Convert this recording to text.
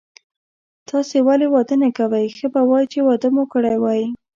تاسي ولي واده نه کوئ، ښه به وای چي واده مو کړی وای.